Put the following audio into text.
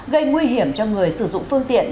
gây nguy hiểm cho người sử dụng phương tiện